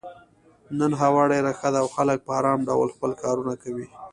نن هوا ډېره ښه ده او خلک په ارام ډول خپل کارونه کوي.